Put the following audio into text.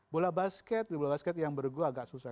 bola basket di bola basket yang menurut gue agak susah